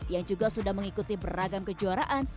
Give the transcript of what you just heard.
yang juga sudah mengikuti beragam kejuaraan